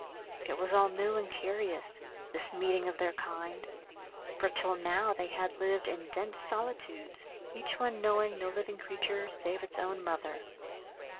It was all new and curious, this meeting of their kind; for till now they had lived in dense solitudes, each one knowing no living creature save its own mother.